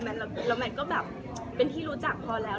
แล้วแมทก็แบบเป็นที่รู้จักพอแล้ว